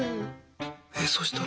えそしたら？